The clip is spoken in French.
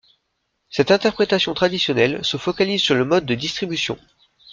Cette interprétation traditionnelle se focalise sur le mode de distribution.